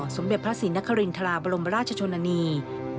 สมเด็จพระศรีนครินทราบรมราชชนนานี